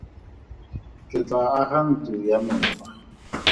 Ke tlaa aga ntlo ya me fa.